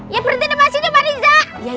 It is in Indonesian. ya berhenti nama sini pak rija